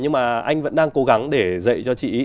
nhưng mà anh vẫn đang cố gắng để dạy cho chị